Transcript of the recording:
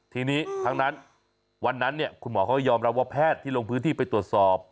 ทีนี้ทั้งนั้นวันนั้นคุณหมอเขาก็ยอมรับว่าแพทย์ที่ลงพื้นที่ไปตรวจสอบ